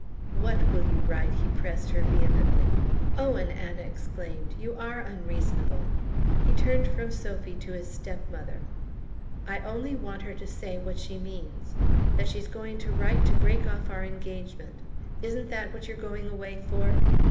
"WHAT will you write?" he pressed her vehemently. "Owen," Anna exclaimed, "you are unreasonable!" He turned from Sophy to his step mother. "I only want her to say what she means: that she's going to write to break off our engagement. Isn't that what you're going away for?"